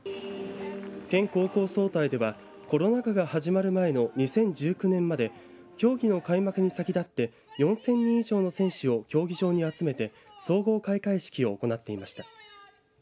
県高校総体ではコロナ禍が始まる前の２０１９年まで競技の開幕に先立って４０００人以上の選手を競技場に集めて総合開会式を行っていました。